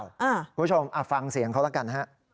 คุณผู้ชมฟังเสียงเขาแล้วกันฮะ